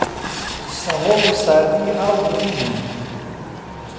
سەهۆڵ و ساردی ئاو بڕیبووی